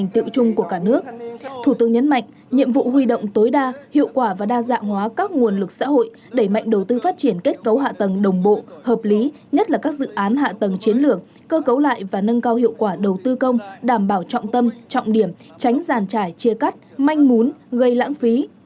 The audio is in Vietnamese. thủ tướng nhấn mạnh nhiệm vụ huy động tối đa hiệu quả và đa dạng hóa các nguồn lực xã hội đẩy mạnh đầu tư phát triển kết cấu hạ tầng đồng bộ hợp lý nhất là các dự án hạ tầng chiến lược cơ cấu lại và nâng cao hiệu quả đầu tư công đảm bảo trọng tâm trọng điểm tránh giàn trải chia cắt manh mún gây lãng phí